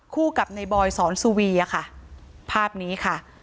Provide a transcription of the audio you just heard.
คู่กับในบอยสอนสุวีอะค่ะภาพนี้ค่ะ